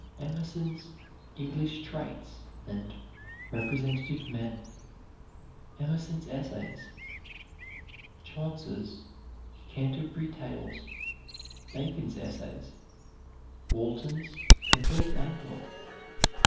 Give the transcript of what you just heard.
Emerson's "English Traits," and "Representative Men." Emerson's Essays. Chaucer's "Canterbury Tales." Bacon's Essays. Walton's "Complete Angler."